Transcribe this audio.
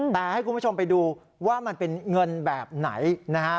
แต่ให้คุณผู้ชมไปดูว่ามันเป็นเงินแบบไหนนะฮะ